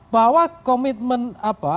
bahwa komitmen apa